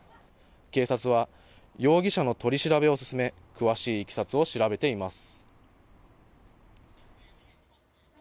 警察は容疑者の取り調べを進め詳しいいきさつを調べています。